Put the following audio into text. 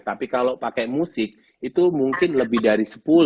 tapi kalau pakai musik itu mungkin lebih dari sepuluh